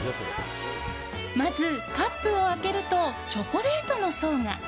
まず、カップを開けるとチョコレートの層が。